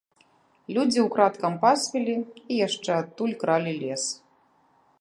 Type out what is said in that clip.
Людзі ўкрадкам пасвілі і яшчэ адтуль кралі лес.